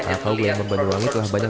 ala kaugul yang berbanding wangi telah banyak